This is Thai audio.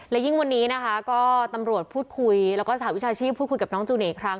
และยิ่งวันนี้นะคะก็ตำรวจพูดคุยแล้วก็สหวิชาชีพพูดคุยกับน้องจูเน่อีกครั้ง